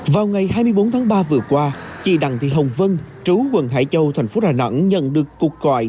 vào ngày hai mươi bốn tháng ba vừa qua chị đằng thị hồng vân trú quần hải châu tp đà nẵng nhận được cuộc gọi